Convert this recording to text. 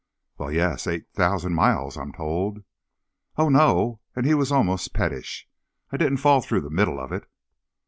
"Well, yes, eight thousand miles, I'm told." "Oh, no," and he was almost pettish, "I didn't fall through the middle of it."